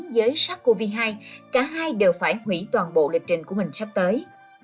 tính với sars cov hai cả hai đều phải hủy toàn bộ lệ trình của mình sắp tới